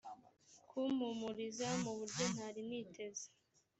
kumpumuriza mu buryo ntari niteze